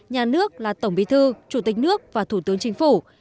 nhà nước là tổng bí thư chủ tịch nước và thủ tướng chính phủ